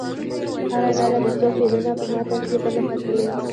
هره ډله دې څو فعلونه په متن کې په نښه کړي.